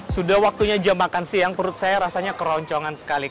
sudah waktunya jam makan siang perut saya rasanya keroncongan sekali